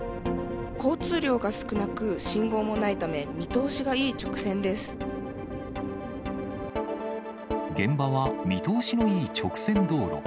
交通量が少なく信号もないた現場は見通しのいい直線道路。